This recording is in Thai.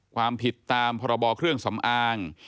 ความผิดตามพรบเครื่องสำอาง